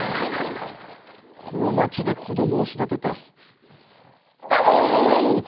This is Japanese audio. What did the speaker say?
この町で子供を育てたい。